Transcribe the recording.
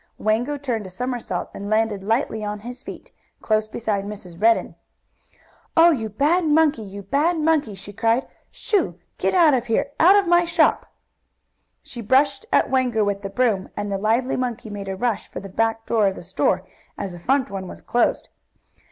Wango turned a somersault, and landed lightly on his feet, close beside Mrs. Redden. "Oh, you bad monkey! You bad monkey!" she cried. "Shoo! Get out of here! Out of my shop!" She brushed at Wango with the broom, and the lively monkey made a rush for the back door of the store, as the front one was closed.